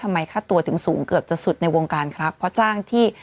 ค่าตัวถึงสูงเกือบจะสุดในวงการครับเพราะจ้างที่